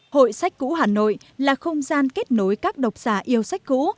hội sách cũ hà nội là không gian kết nối các độc giả yêu sách cũ